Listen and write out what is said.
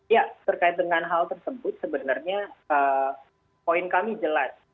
ya terkait dengan hal tersebut sebenarnya poin kami jelas